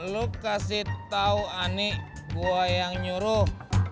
lu kasih tau ani gue yang nyuruh